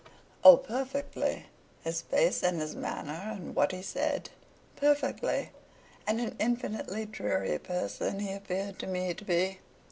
'Oh, perfectly!' 'His face, and his manner, and what he said?' 'Perfectly. And an infinitely dreary person he appeared to me to be.